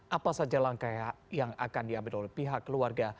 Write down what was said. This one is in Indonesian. apa saja langkah yang akan diambil oleh pihak keluarga